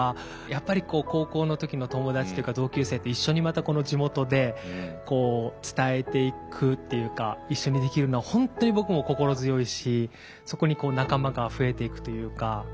やっぱり高校の時の友達っていうか同級生と一緒にまたこの地元で伝えていくっていうか一緒にできるのは本当に僕も心強いしそこに仲間が増えていくというか。